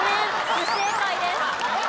不正解です。